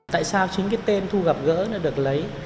tại sao chính cái tên thu gặp gỡ nó được lấy